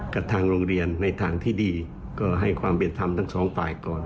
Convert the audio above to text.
กับทางโรงเรียนในทางที่ดีก็ให้ความเป็นธรรมทั้งสองฝ่ายก่อน